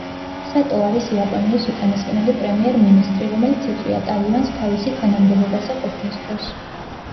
სატო არის იაპონიის უკანასკნელი პრემიერ-მინისტრი, რომელიც ეწვია ტაივანს თავისი თანამდებობაზე ყოფნის დროს.